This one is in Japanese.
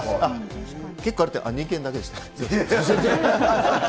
結構あるって、２軒だけでした。